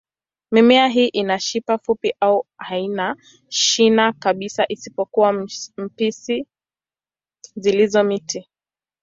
Mimea hii ina shina fupi au haina shina kabisa, isipokuwa spishi zilizo miti.